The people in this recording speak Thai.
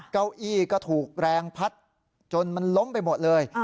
เก้าอี้ก็ถูกแรงพัดจนมันล้มไปหมดเลย